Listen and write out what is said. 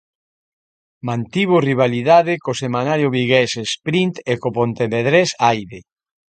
Mantivo rivalidade co semanario vigués "Sprint" e co pontevedrés "Aire".